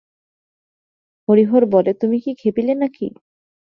হরিহর বলে, তুমি কি খেপিলে নাকি?